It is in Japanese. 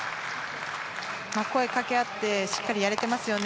声をかけ合ってしっかりやれてますね。